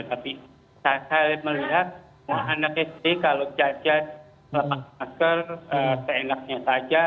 tapi saya melihat anak sd kalau jajan pakai masker seenaknya saja